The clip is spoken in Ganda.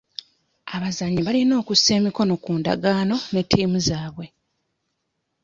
Abazannyi balina okussa emikono ku ndagaano ne ttiimu zaabwe.